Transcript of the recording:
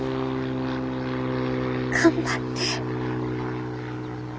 頑張って。